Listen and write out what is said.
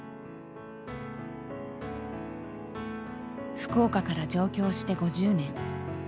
福岡から上京して５０年。